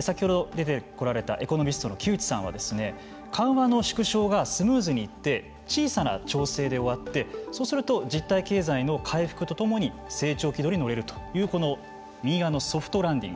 先ほど出てこられたエコノミストの木内さんは緩和の縮小がスムーズに行って小さな調整で終わってそうすると、実体経済の回復とともに成長軌道に乗れるという右側のソフトランディング。